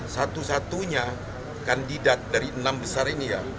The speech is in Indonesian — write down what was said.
satu satunya kandidat dari enam besar ini ya